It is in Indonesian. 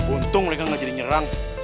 untung mereka gak jadi nyerang